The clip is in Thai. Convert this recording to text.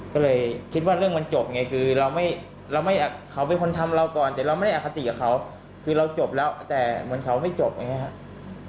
ก็เลยคิดว่าเรื่องมันจบไงคือเราไม่เขาเป็นคนทำเราก่อนแต่เราไม่ได้อคติกับเขาคือเราจบแล้วแต่เหมือนเขาไม่จบอย่างนี้ครับ